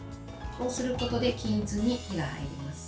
そうすることで均一に火が通ります。